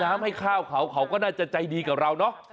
ให้ข้าวเขาเขาก็น่าจะใจดีกับเราเนอะ